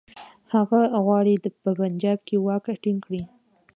هغه غواړي په پنجاب کې واک ټینګ کړي.